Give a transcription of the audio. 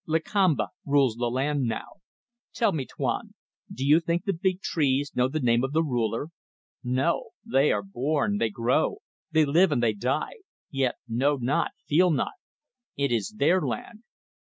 Lakamba rules the land now. Tell me, Tuan, do you think the big trees know the name of the ruler? No. They are born, they grow, they live and they die yet know not, feel not. It is their land."